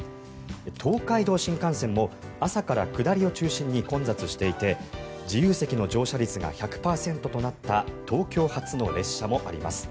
東海道新幹線も朝から下りを中心に混雑していて自由席の乗車率が１００％となった東京発の列車もあります。